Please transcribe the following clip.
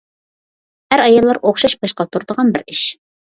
ئەر-ئاياللار ئوخشاش باش قاتۇرىدىغان بىر ئىش.